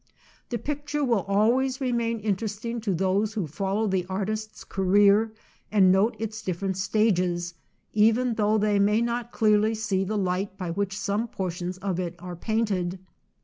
The picture will always remain interesting to those who follow the artist's career and note its different stages, even though they may not clearly see the light by which some portions of it are painted.